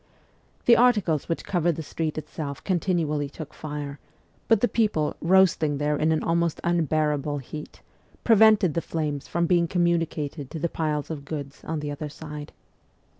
The articles which covered the street itself continually took fire, but the people, roasting there in an almost unbearable heat, prevented the flames from being communicated to the piles of goods on the other side.